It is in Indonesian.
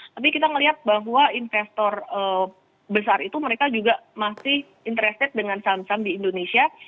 tapi kita melihat bahwa investor besar itu mereka juga masih interested dengan saham saham di indonesia